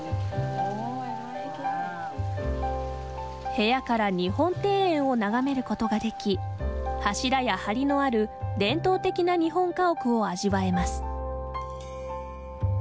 部屋から日本庭園を眺めることができ柱や梁のある伝統的な日本家屋を味わえます。